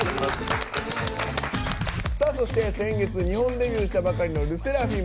そして先月日本デビューしたばかりのＬＥＳＳＥＲＡＦＩＭ。